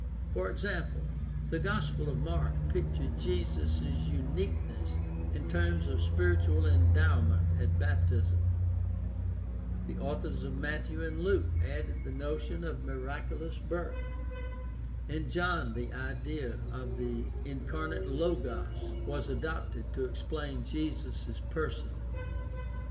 For example, the Gospel of Mark pictured Jesus' uniqueness in terms of spiritual endowment at baptism; the authors of Matthew and Luke added the notion of miraculous birth; in John the idea of the incarnate Logos was adopted to explain Jesus' person.